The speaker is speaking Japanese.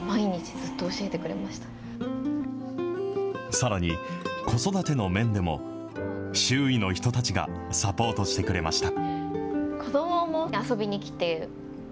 さらに、子育ての面でも、周囲の人たちがサポートしてくれました。